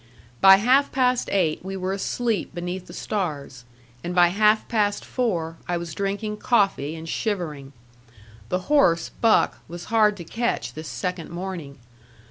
By half past eight we were asleep beneath the stars, and by half past four I was drinking coffee and shivering. The horse, Buck, was hard to catch this second morning.